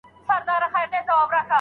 خوار چي موړ سي مځکي ته نه ګوري.